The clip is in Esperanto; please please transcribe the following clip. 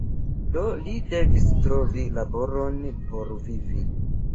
Do li devis trovi laboron por vivi.